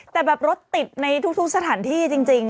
แต่แบบรถติดในทุกสถานที่จริง